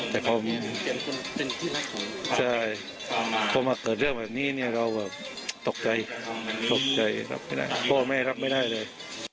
แต่พอมีใช่พอมาเกิดเรื่องแบบนี้เนี่ยเราแบบตกใจตกใจรับไม่ได้เพราะว่าไม่ได้รับไม่ได้เลย